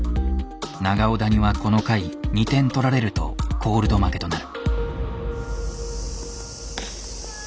長尾谷はこの回２点取られるとコールド負けとなる。